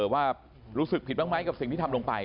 ว่ารู้สึกผิดบ้างไหมกับสิ่งที่ทำลงไป